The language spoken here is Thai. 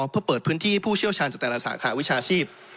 เพื่อเปิดพื้นที่ให้ผู้เชี่ยวชาญจากแต่ละสาขาวิชาชีพ